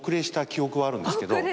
した記憶はあるんですけど。